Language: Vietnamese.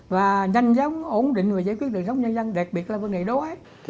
và nhanh giống ổn định và giải quyết đời sống nhân dân đặc biệt là vấn đề đói